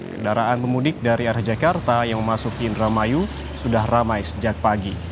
kendaraan pemudik dari arah jakarta yang memasuki indramayu sudah ramai sejak pagi